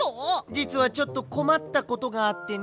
じつはちょっとこまったことがあってね。